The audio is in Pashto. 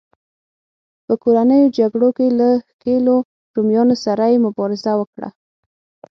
په کورنیو جګړو کې له ښکېلو رومیانو سره یې مبارزه وکړه.